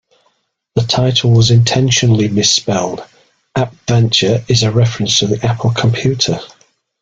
The title was intentionally misspelled; "Apventure" is a reference to the Apple computer.